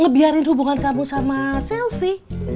ngebiarin hubungan kamu sama selfie